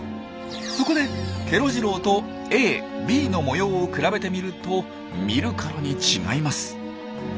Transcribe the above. そこでケロ次郎とＡ・Ｂの模様を比べてみると見るからに違います。